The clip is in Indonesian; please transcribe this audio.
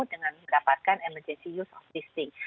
dengan mendapatkan emergency use of this thing